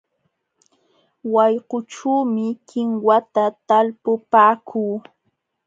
Wayqućhuumi kinwata talpupaakuu.